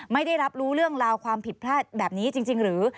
ไม่ได้รับรู้เรื่องราวความผิดพลาดแบบนี้จริงหรือ